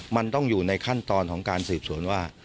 มันต้องอยู่ในขั้นตอนของการสืบสวนว่า